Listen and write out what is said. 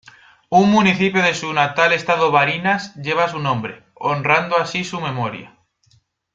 Un municipio de su natal estado Barinas lleva su nombre, honrando así su memoria.